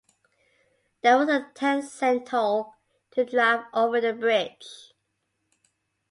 There was a ten-cent toll to drive over the bridge.